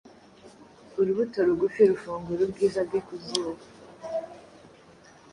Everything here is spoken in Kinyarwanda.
Urubuto rugufi rufungura ubwiza bwe ku zuba,